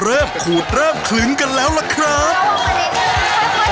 เริ่มขูดเริ่มขึงกันแล้วล่ะครับ